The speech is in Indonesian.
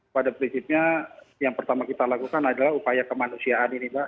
pada prinsipnya yang pertama kita lakukan adalah upaya kemanusiaan ini mbak